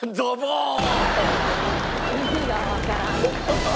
意味がわからん。